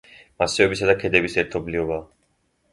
მასივებისა და ქედების ერთობლიობაა.